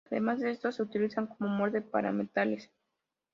Además de esto, se utiliza como molde para metales.